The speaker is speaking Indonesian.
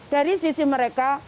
dari sisi mereka